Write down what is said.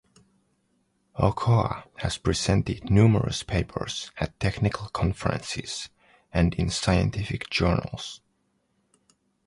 Ochoa has presented numerous papers at technical conferences and in scientific journals.